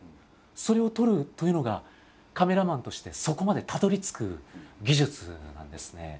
それを撮るというのがカメラマンとしてそこまでたどりつく技術なんですね。